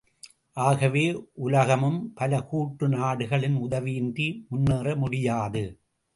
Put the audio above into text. ஆகவே உலகமும் பலகூட்டு நாடுகளின் உதவியின்றி முன்னேற முடியாது.